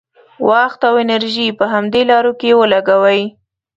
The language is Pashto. وخت او انرژي په همدې لارو کې ولګوي.